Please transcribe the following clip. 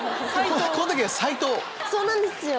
そうなんですよ。